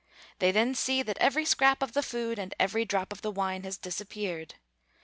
They then see that every scrap of the food and every drop of the wine has disappeared.